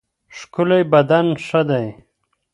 ښکلی بدن ښه دی.